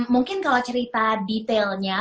mungkin kalau cerita detailnya